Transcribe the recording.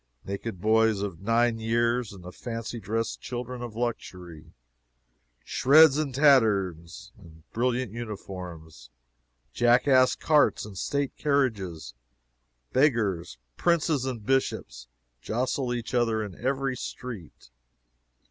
Naked boys of nine years and the fancy dressed children of luxury; shreds and tatters, and brilliant uniforms; jackass carts and state carriages; beggars, Princes and Bishops, jostle each other in every street.